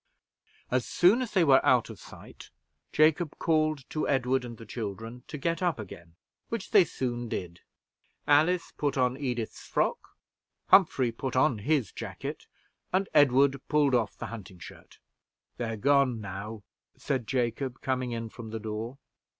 As soon as they were out of sight, Jacob called to Edward and the children to get up again, which they soon did. Alice put on Edith's frock, Humphrey put on his jacket, and Edward pulled off the hunting shirt. "They're gone now," said Jacob, coming in from the door.